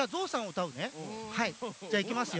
はいじゃあいきますよ。